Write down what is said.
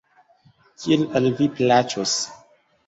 Kiel al vi plaĉos.